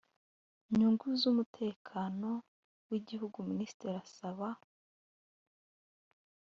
nyungu z umutekano w igihugu minisitiri asaba